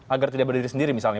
agar tidak berdiri sendiri misalnya